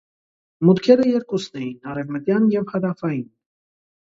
Մուտքերը երկուսնն էին՝ արևմտյան և հարավային։